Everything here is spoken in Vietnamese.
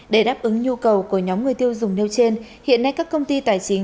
để đáp ứng nhu cầu của nhóm người tiêu dùng nêu trên hiện nay các công ty tài chính